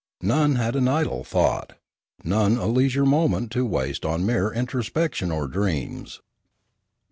None had an idle thought, none a leisure moment to waste on mere introspection or dreams.